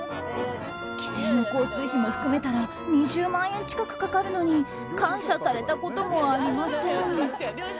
帰省の交通費も含めたら２０万円近くかかるのに感謝されたこともありません。